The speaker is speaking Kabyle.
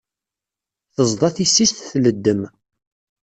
Teẓḍa tissist tleddem.